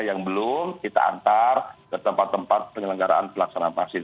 yang belum kita antar ke tempat tempat penyelenggaraan pelaksanaan vaksin